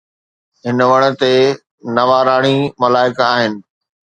هن وڻ تي نواراڻي ملائڪ آهن.